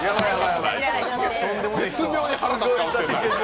絶妙に腹立つ顔してるな。